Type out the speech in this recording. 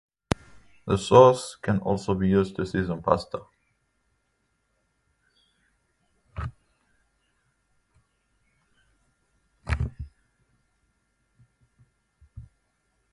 The sauce can also be used to season pasta.